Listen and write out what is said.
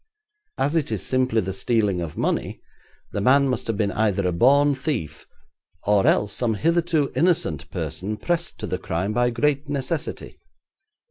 As it is simply the stealing of money, the man must have been either a born thief or else some hitherto innocent person pressed to the crime by great necessity.